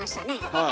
はい。